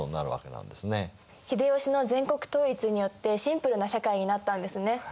秀吉の全国統一によってシンプルな社会になったんですね。